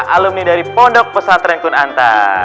kak alumni dari pondok pesatren kunanta